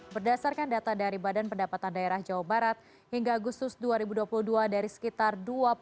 berdasarkan data dari badan pendapatan daerah jawa barat hingga agustus dua ribu dua puluh dua dari sekitar